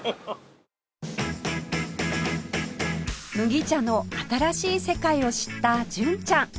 麦茶の新しい世界を知った純ちゃん